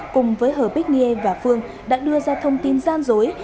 cùng với hờ bích niê và phương đã đưa ra thông tin gian dối